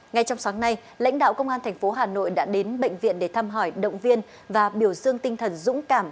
ngay trong sáng nay lãnh đạo công an tp hà nội đã đến bệnh viện để thăm hỏi động viên và biểu dương tinh thần dũng cảm